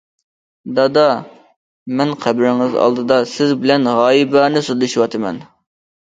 دادا، مەن قەبرىڭىز ئالدىدا سىز بىلەن غايىبانە سۆزلىشىۋاتىمەن.